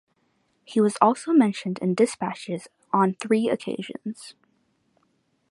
He was also mentioned in dispatches on three occasions.